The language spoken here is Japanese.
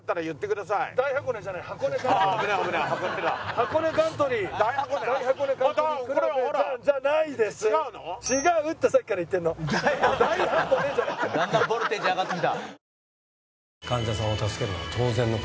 だんだんボルテージ上がってきた。